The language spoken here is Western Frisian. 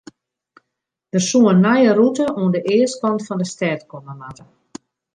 Der soe in nije rûte oan de eastkant fan de stêd komme moatte.